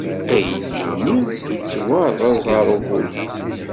Aydi-nni yettwarez ɣer ubudid.